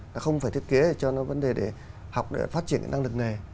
là không phải thiết kế cho nó vấn đề để học để phát triển cái năng lực nghề